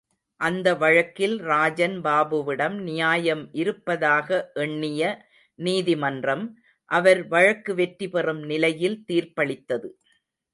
அந்த வழக்கில் ராஜன் பாபுவிடம் நியாயம் இருப்பதாக எண்ணிய நீதிமன்றம், அவர் வழக்கு வெற்றி பெறும் நிலையில் தீர்ப்பளித்தது.